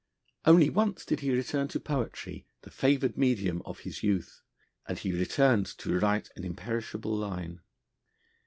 Once only did he return to poetry, the favoured medium of his youth, and he returned to write an imperishable line.